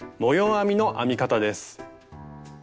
編みの編み方です。